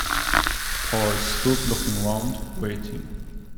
Paul stood looking round, waiting.